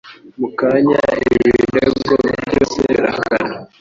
Mu kanya, ibirego byose birahagarara.